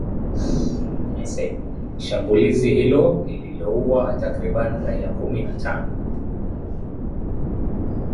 Shambulizi hilo lililoua takribani raia kumi na tano